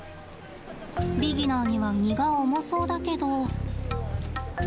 ビギナーには荷が重そうだけど。